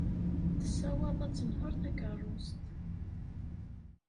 Tessaweḍ ad tenheṛ takeṛṛust.